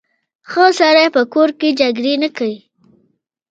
ښه سړی په کور کې جګړې نه کوي.